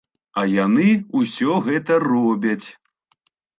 А яны ўсё гэта робяць.